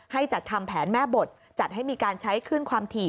ให้จัดทำแผนแม่บทจัดให้มีการใช้ขึ้นความถี่